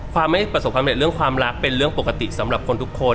ไม่ประสบความเร็จเรื่องความรักเป็นเรื่องปกติสำหรับคนทุกคน